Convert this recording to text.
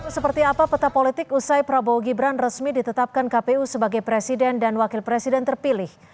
seperti apa peta politik usai prabowo gibran resmi ditetapkan kpu sebagai presiden dan wakil presiden terpilih